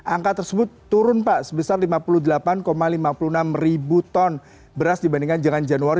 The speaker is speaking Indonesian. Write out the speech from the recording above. angka tersebut turun pak sebesar lima puluh delapan lima puluh enam ribu ton beras dibandingkan dengan januari